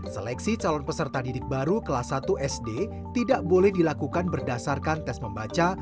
seleksi calon peserta didik baru kelas satu sd tidak boleh dilakukan berdasarkan tes membaca